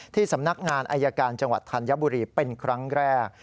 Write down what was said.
สำนักงานอายการจังหวัดธัญบุรีเป็นครั้งแรก